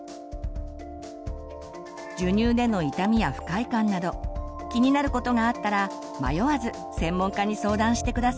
授乳での痛みや不快感など気になることがあったら迷わず専門家に相談して下さいね。